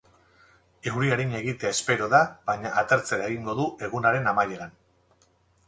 Euri arina egitea espero da, baina atertzera egingo du egunaren amaieran.